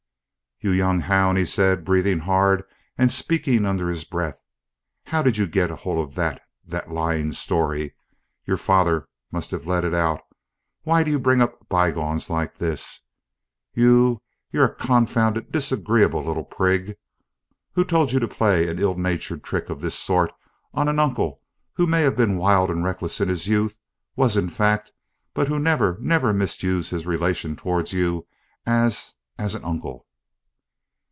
"You young hound!" he said, breathing hard and speaking under his breath. "How did you get hold of that that lying story? Your father must have let it out! Why do you bring up bygones like this? You you're a confounded, disagreeable little prig! Who told you to play an ill natured trick of this sort on an uncle, who may have been wild and reckless in his youth was in fact but who never, never misused his relation towards you as as an uncle?"